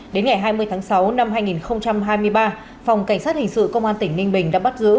đến ngày hai mươi tháng sáu năm hai nghìn hai mươi ba phòng cảnh sát hình sự công an tỉnh ninh bình đã bắt giữ